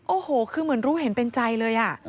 โอ้โหคือเหมือนรู้เห็นเป็นใจเลย